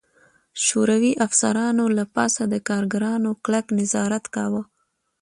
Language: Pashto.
شوروي افسرانو له پاسه د کارګرانو کلک نظارت کاوه